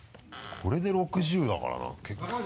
これで６０だからな結構。